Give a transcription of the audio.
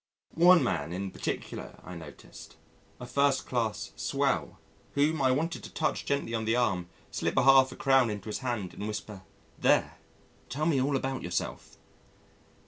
One man in particular, I noticed a first class "swell" whom I wanted to touch gently on the arm, slip a half a crown into his hand and whisper, "There, tell me all about yourself."